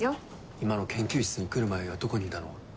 今の研究室に来る前はどこにいたの？